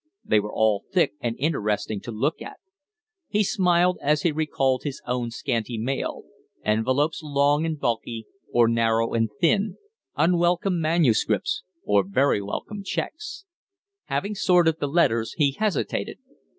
They were all thick, and interesting to look at. He smiled as he recalled his own scanty mail: envelopes long and bulky or narrow and thin unwelcome manuscripts or very welcome checks. Having sorted the letters, he hesitated.